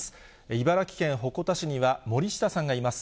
茨城県鉾田市には守下さんがいます。